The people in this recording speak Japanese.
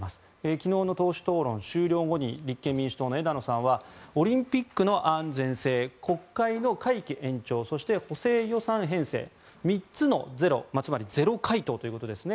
昨日の党首討論、終了後に立憲民主党の枝野さんはオリンピックの安全性国会の会期延長そして、補正予算編成３つのゼロつまりゼロ回答ということですね